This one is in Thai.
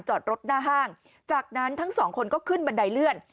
จอดรถหน้าห้างจากนั้นทั้งสองคนก็ขึ้นบันไดเลื่อน